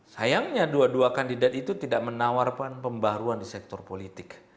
sayangnya dua dua kandidat itu tidak menawarkan pembaruan di sektor politik